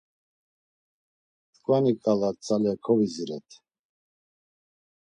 Tkvani ǩala tzale kovidziret.